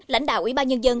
lãnh đạo ủy ba nhân dân